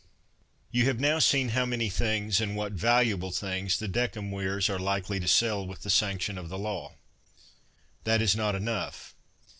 You have now seen how many things and what valuable things the decemvirs are likely to sell with the sanction of the law. That is not enough.